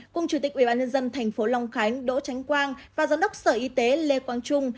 cùng chủ tịch ubnd tp long khánh đỗ tránh quang và giám đốc sở y tế lê quang trung